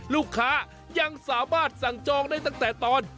ลูกค้ายังสามารถสั่งจองได้ตั้งแต่ตอน